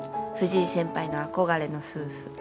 藤井先輩の憧れの夫婦。